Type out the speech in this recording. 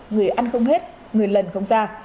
người ăn không hết người lần không ra